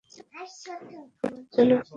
আমার জন্যে আপনাকে ব্যস্ত হতে হবে না।